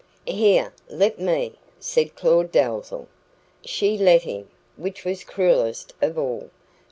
"Here, let me," said Claud Dalzell. She let him which was cruellest of all.